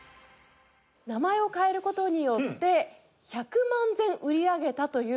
名前を変える事によって１００万膳売り上げたというこのお箸。